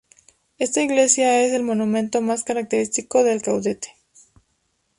Esta iglesia es el monumento más característico de Caudete.